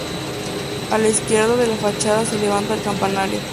A la izquierda de la fachada se levanta el campanario.